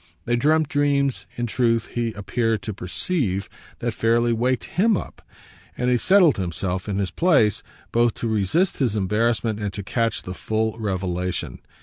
They dreamt dreams, in truth, he appeared to perceive, that fairly waked HIM up, and he settled himself in his place both to resist his embarrassment and to catch the full revelation.